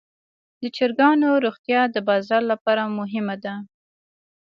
د چرګانو روغتیا د بازار لپاره مهمه ده.